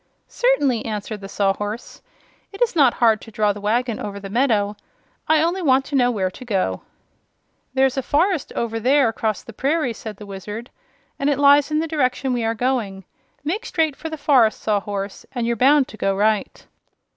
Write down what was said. "Certainly," answered the Sawhorse. "It is not hard to draw the wagon over the meadow. I only want to know where to go." "There's a forest over there across the prairie," said the Wizard, "and it lies in the direction we are going. Make straight for the forest, Sawhorse, and you're bound to go right."